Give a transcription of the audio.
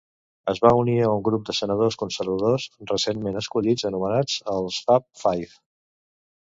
Es va unir a un grup de senadors conservadors recentment escollits anomenats els "Fab Five".